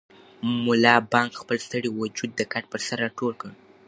ملا بانګ خپل ستړی وجود د کټ پر سر راټول کړ.